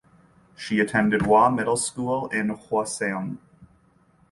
She attended Waw Middle School in Hwaseong.